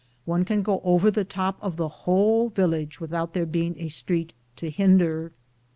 One can go over the top of the whole village without there being a street to hinder.